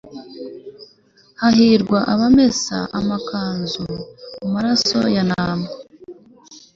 hahirwa abamesa amakanzu mu maraso ya ntama